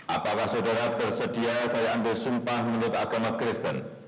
apakah saudara bersedia saya ambil sumpah menurut agama kristen